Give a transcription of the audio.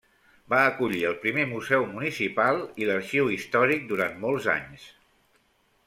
Va acollir el primer museu municipal i l'arxiu històric, durant molts anys.